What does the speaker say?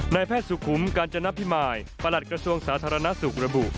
แพทย์สุขุมกาญจนพิมายประหลัดกระทรวงสาธารณสุขระบุ